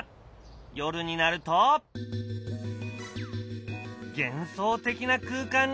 夜になると幻想的な空間に！